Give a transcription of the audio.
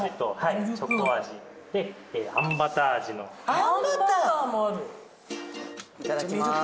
いただきます。